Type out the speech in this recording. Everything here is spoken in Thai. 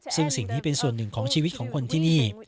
ซึ่งสิ่งนี้เป็นส่วนหนึ่งของชีวิตของคนที่นี่